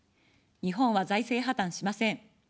日本は財政破綻しません。